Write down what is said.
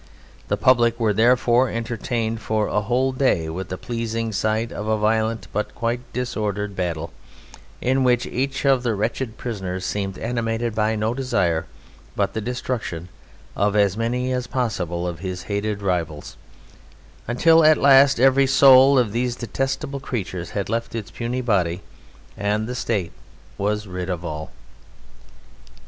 The public were therefore entertained for a whole day with the pleasing sight of a violent but quite disordered battle, in which each of the wretched prisoners seemed animated by no desire but the destruction of as many as possible of his hated rivals, until at last every soul of these detestable creatures had left its puny body and the State was rid of all.